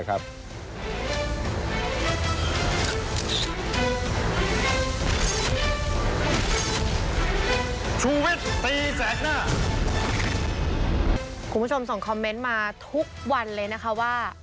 คุณผู้ชมส่งคอมเมนต์มาทุกวันเลยนะคะว่า